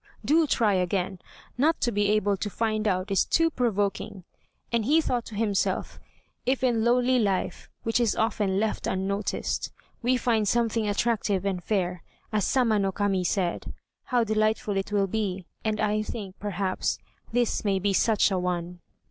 do! try again; not to be able to find out is too provoking," and he thought to himself, "If in lowly life, which is often left unnoticed, we find something attractive and fair, as Sama no Kami said, how delightful it will be, and I think, perhaps, this may be such a one."